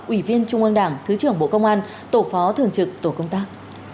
ủy viên trung ương đảng thứ trưởng bộ công an tổ phó thường trực tổ công tác